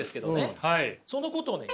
そのことをね